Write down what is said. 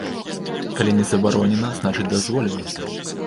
Калі не забаронена, значыць, дазволена.